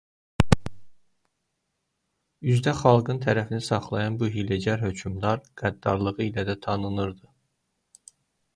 Üzdə xalqın tərəfini saxlayan bu hiyləgər hökmdar qəddarlığı ilə də tanınırdı.